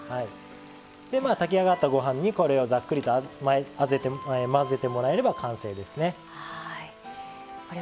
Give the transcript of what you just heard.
炊き上がったご飯にこれをざっくりと混ぜてもらえれば完成ですね。